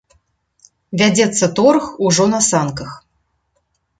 Вядзецца торг ужо на санках.